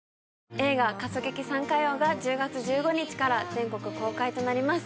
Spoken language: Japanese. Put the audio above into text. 映画「かそけきサンカヨウ」が１０月１５日から全国公開となります